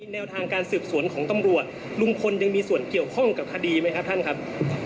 แนวทางการสืบสวนของตำรวจลุงพลยังมีส่วนเกี่ยวข้องกับคดีไหมครับท่านครับ